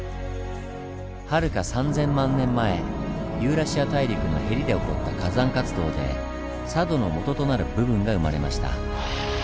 はるか３０００万年前ユーラシア大陸のへりで起こった火山活動で佐渡のもととなる部分が生まれました。